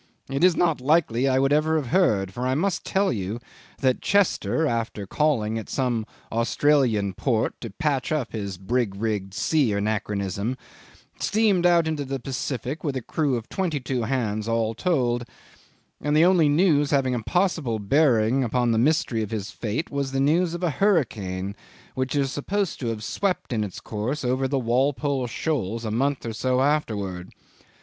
It is not likely I would ever have heard, for I must tell you that Chester, after calling at some Australian port to patch up his brig rigged sea anachronism, steamed out into the Pacific with a crew of twenty two hands all told, and the only news having a possible bearing upon the mystery of his fate was the news of a hurricane which is supposed to have swept in its course over the Walpole shoals, a month or so afterwards.